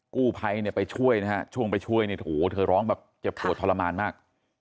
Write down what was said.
กู้ภัยเนี่ยไปช่วยนะฮะช่วงไปช่วยเนี่ยโถเธอร้องแบบเจ็บปวดทรมานมาก